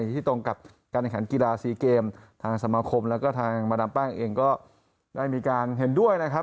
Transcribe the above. ที่ตรงกับการแข่งขันกีฬาซีเกมทางสมาคมแล้วก็ทางมาดามแป้งเองก็ได้มีการเห็นด้วยนะครับ